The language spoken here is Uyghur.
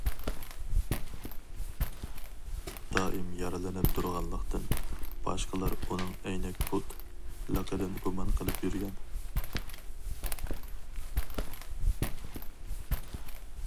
دائىم يارىلىنىپ تۇرغانلىقتىن، باشقىلار ئۇنىڭ« ئەينەك پۇت» لىقىدىن گۇمان قىلىپ يۈرگەن.